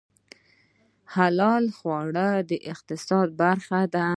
حلال خواړه د اقتصاد برخه ده